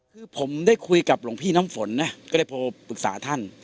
คือผมได้คุยกับหลวงพี่น้ำฝนนะก็ได้โทรปรึกษาท่าน